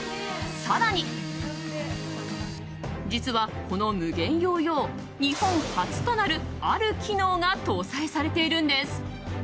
更に、実はこのＭＵＧＥＮＹＯＹＯ日本初となる、ある機能が搭載されているんです。